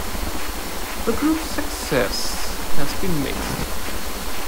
The group's success has been mixed.